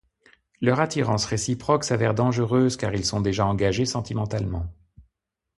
Leur attirance réciproque s’avère dangereuse car ils sont déjà engagés sentimentalement…